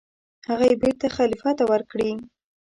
هغه یې بېرته خلیفه ته ورکړې.